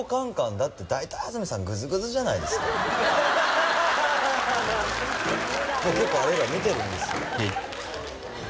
だって結構あれ以来見てるんですよ